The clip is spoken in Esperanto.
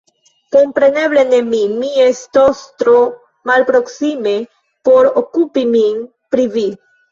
Kompreneble ne mi ; mi estos tro malproksime por okupi min pri vi.